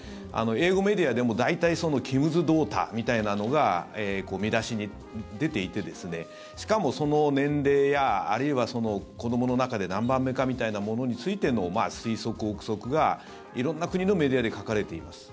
英語メディアでも大体キムズ・ドーターみたいなのが見出しに出ていてしかも、その年齢やあるいは子どもの中で何番目かみたいなものについての推測・臆測が色んな国のメディアで書かれています。